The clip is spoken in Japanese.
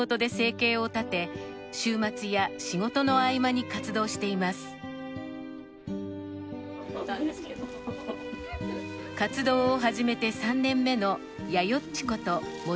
活動を始めて３年目のやよっちこと森下弥生さん。